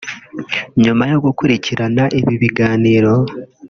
nyuma yo gukurikirana ibi biganiro